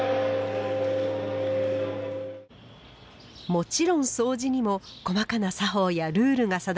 もちろんそうじにも細かな作法やルールが定められています。